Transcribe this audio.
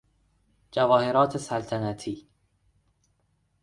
جواهرات سلطنتی